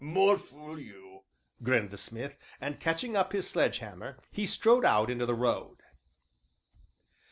"More fool you!" grinned the smith, and, catching up his sledge hammer, he strode out into the road.